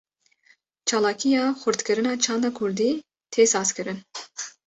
Çalakiya xurtkirina çanda Kurdî, tê sazkirin